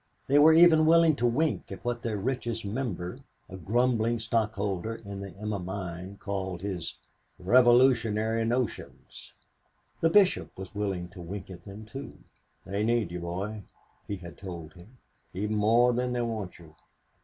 They were even willing to wink at what their richest member, a grumbling stockholder in the Emma mine, called his "revolutionary notions." The Bishop was willing to wink at them too. "They need you, boy," he had told him, "even more than they want you.